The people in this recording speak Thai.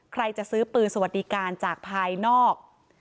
จะซื้อปืนสวัสดิการจากภายนอก